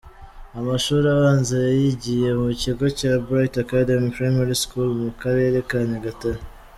Amashuri abanza yayigiye mu kigo cya "Bright Academy Primary School" mu Karere ka Nyagatare.